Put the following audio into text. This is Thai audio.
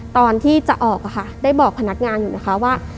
ตอนที่จะออกค่ะได้บอกพนักงานอยู่นะคะว่า